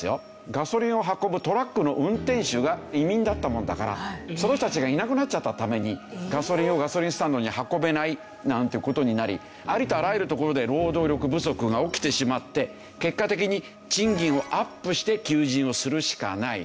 ガソリンを運ぶトラックの運転手が移民だったものだからその人たちがいなくなっちゃったためにガソリンをガソリンスタンドに運べないなんていう事になりありとあらゆるところで労働力不足が起きてしまって結果的に賃金をアップして求人をするしかない。